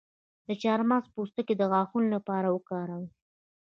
د چارمغز پوستکی د غاښونو لپاره وکاروئ